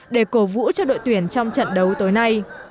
để cổ vũ cho đội tuyển trong trận đấu tối nay